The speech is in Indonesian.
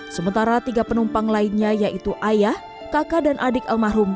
sementara tiga penumpang lainnya yaitu ayah kakak dan adik almarhum